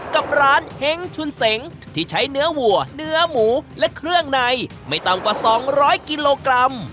กับร้านเฮ้งชุนเสงที่ใช้เนื้อวัวเนื้อหมูและเครื่องในไม่ต่ำกว่า๒๐๐กิโลกรัม